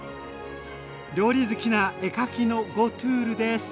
料理好きな絵描きのゴトゥールです。